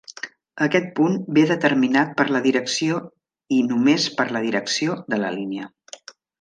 Aquest punt ve determinat per la direcció-i només per la direcció-de la línia.